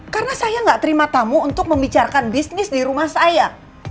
karena saya gak terima tamu untuk membicarkan bisnis di rumah saya